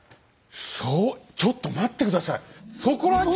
そうちょっと待って下さい！